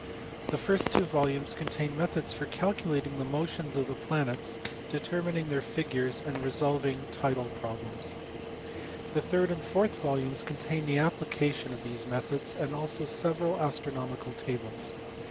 The first two volumes contain methods for calculating the motions of the planets, determining their figures, and resolving tidal problems. The third and fourth volumes contain the application of these methods, and also several astronomical tables.